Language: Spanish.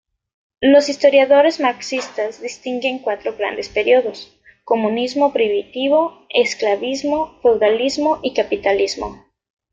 Los historiadores marxistas distinguen cuatro grandes períodos: comunismo primitivo, esclavismo, feudalismo y capitalismo.